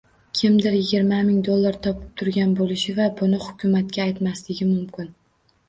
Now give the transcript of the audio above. Kimdir yigirma ming dollar topib turgan boʻlishi va buni hukumatga aytmasligi mumkin